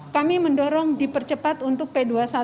kami mendorong dipercepat untuk p dua puluh satu